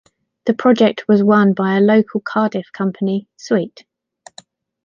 The project was won by a local Cardiff company, Sweet.